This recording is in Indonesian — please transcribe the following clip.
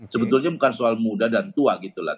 sebetulnya bukan soal muda dan tua gitu lah